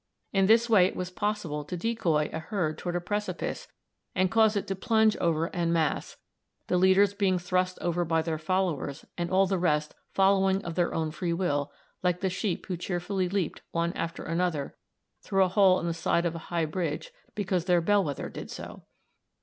In this way it was possible to decoy a herd toward a precipice and cause it to plunge over en masse, the leaders being thrust over by their followers, and all the rest following of their own free will, like the sheep who cheerfully leaped, one after another, through a hole in the side of a high bridge because their bell wether did so.